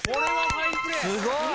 すごい！